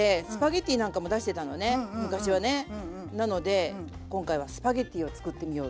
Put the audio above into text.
なので今回はスパゲッティをつくってみようと。